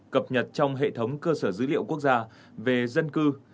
cập nhật trong hệ thống cơ sở dữ liệu quốc gia về dân cư